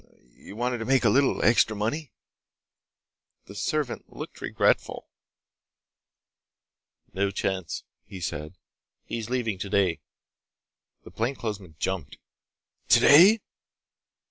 hm m m ... wanted to make a little extra money." The servant looked regretful. "No chance," he said, "he's leaving today." The plainclothesman jumped. "Today?"